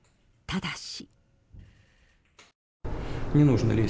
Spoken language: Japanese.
ただし。